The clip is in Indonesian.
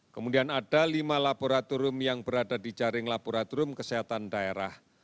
kemudian ada lima laboratorium yang berada di jaring laboratorium kesehatan daerah